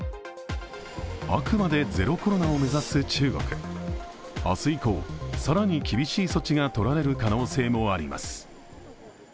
あくまで、ゼロコロナを目指す中国明日以降、更に厳しい措置がとられる可能性があります。